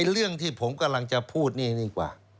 เรื่องที่ผมกำลังจะพูดนี่ดีกว่า